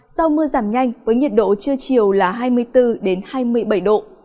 sau mưa giảm nhanh với nhiệt độ chưa chiều là hai mươi bốn đến hai mươi bảy độ